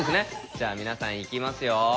じゃあ皆さんいきますよ。